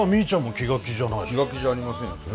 気が気じゃありませんよ。